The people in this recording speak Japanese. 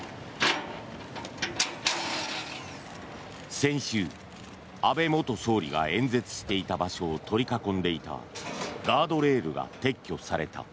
先週、安倍元総理が演説していた場所を取り囲んでいたガードレールが撤去された。